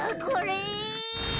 これ。